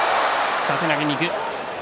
下手投げにいく。